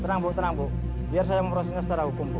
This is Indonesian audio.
terang bu tenang bu biar saya memprosesnya secara hukum bu